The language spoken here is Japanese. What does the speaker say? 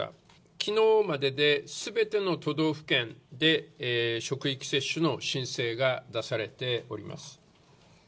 きのうまでですべての都道府県で職域接種の申請が出されております。